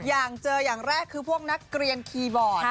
อย่างเจออย่างแรกคือพวกนักเรียนคีย์บอร์ด